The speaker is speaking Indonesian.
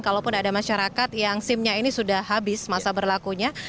kalaupun ada masyarakat yang simnya ini sudah habis masa berlakunya